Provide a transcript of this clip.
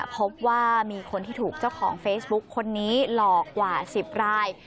พบว่ามีคนที่ถูกเจ้าของเฟซบุ๊คคนนี้หลอกกว่า๑๐ราย